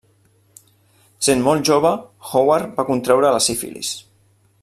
Sent molt jove, Howard va contreure la sífilis.